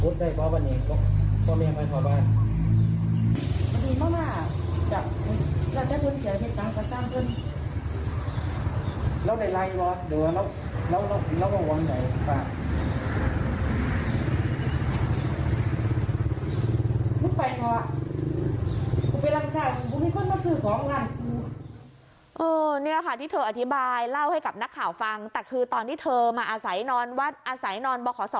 นี่ค่ะที่เธออธิบายเล่าให้กับนักข่าวฟังแต่คือตอนที่เธอมาอาศัยนอนวัดอาศัยนอนบขศ